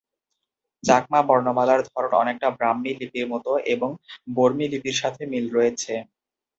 চাকমা বর্ণমালার ধরন অনেকটা ব্রাহ্মী লিপির মতো এবং বর্মী লিপির সাথে মিল রয়েছে।